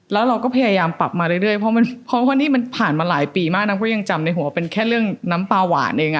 แล้วเราก็พยายามปรับมาเรื่อยเพราะว่านี่มันผ่านมาหลายปีมากน้ำก็ยังจำในหัวเป็นแค่เรื่องน้ำปลาหวานเอง